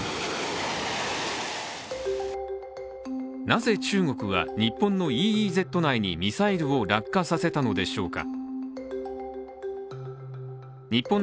なぜ中国は日本のＥＥＺ内にミサイルを落下させたのでしょうか。